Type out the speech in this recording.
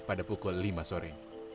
pada pukul lima sore